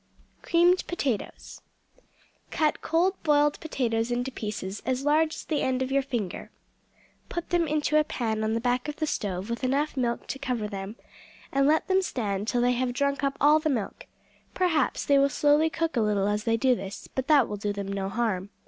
Creamed Potatoes Cut cold boiled potatoes into pieces as large as the end of your finger; put them into a pan on the back of the stove with enough milk to cover them, and let them stand till they have drunk up all the milk; perhaps they will slowly cook a little as they do this, but that will do no harm.